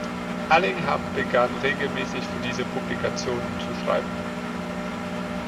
Allingham begann regelmäßig für diese Publikationen zu schreiben.